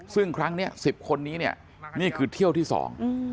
ซึ่งครั้งเนี้ยสิบคนนี้เนี่ยนี่คือเที่ยวที่สอง